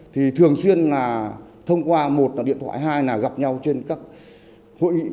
thì thường xuyên là thông qua một là điện thoại hai là gặp nhau trên các hội nghị